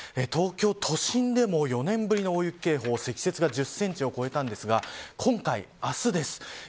東京都心でも４年ぶりの大雪警報、積雪が１０センチを超えたんですが今回、明日です。